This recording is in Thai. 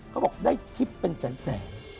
เขาบอกได้ทริปเป็นแสน